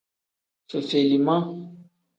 Fefelima.